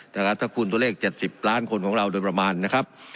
นะครับถ้าคูณตัวเลขเจ็ดสิบล้านคนของเราโดยประมาณนะครับ